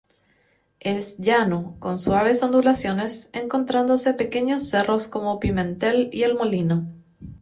Es llano, con suaves ondulaciones, encontrándose pequeños cerros como Pimentel y El Molino.